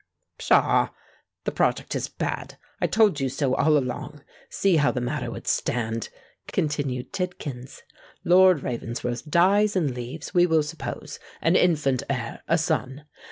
"Pshaw! the project is bad—I told you so all along. See how the matter would stand," continued Tidkins:—"Lord Ravensworth dies and leaves, we will suppose, an infant heir—a son.